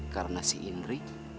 karena si indri